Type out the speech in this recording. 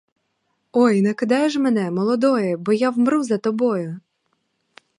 Ой, не кидай же мене, молодої, бо я вмру за тобою!